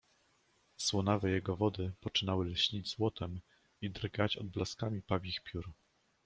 Słonawe jego wody poczynały lśnić złotem i drgać odblaskami pawich piór.